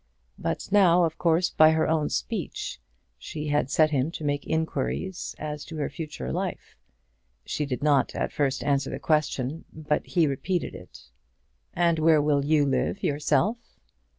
But now, by her own speech, she had set him to make inquiries as to her future life. She did not at first answer the question; but he repeated it. "And where will you live yourself?"